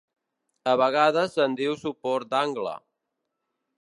A vegades se'n diu suport d'angle.